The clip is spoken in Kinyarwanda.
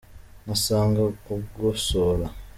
Ngasanga ugosora